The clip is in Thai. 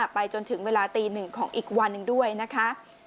ไปจนถึงเวลาตี๑ของอีกวันด้วยนะคะ